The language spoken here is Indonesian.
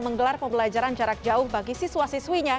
terima kasih ya